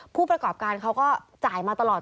ผู้ประกอบการเขาก็จ่ายมาตลอด